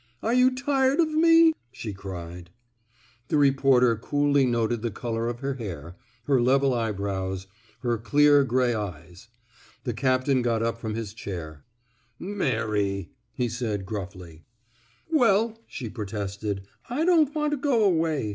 Are you tired of mef " she cried. The reporter coolly noted the color of her hair, her level eyebrows, her clear gray 291 THE SMOKE. EATEES eyes. The captain got np from his chair. Mary I '* he said, gruffly. Well/' she protested, I don't want to go away.